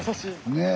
ねえ。